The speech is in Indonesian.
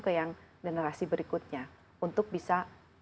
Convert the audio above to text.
ke yang generasi berikutnya untuk bisa